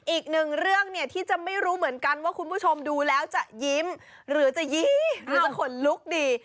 อีกหนึ่งเรื่องเนี่ยที่จะไม่รู้เหมือนกันว่าคุณผู้ชมดูแล้วจะยิ้มหรือจะยิ้มหรือขนลุกดี